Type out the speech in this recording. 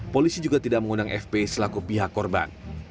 polisi juga tidak mengundang fpi selaku pihak korban